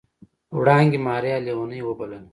وړانګې ماريا ليونۍ وبلله.